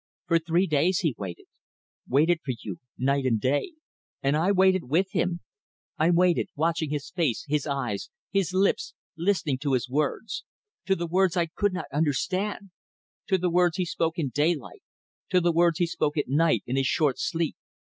For three days he waited. Waited for you night and day. And I waited with him. I waited, watching his face, his eyes, his lips; listening to his words. To the words I could not understand. To the words he spoke in daylight; to the words he spoke at night in his short sleep.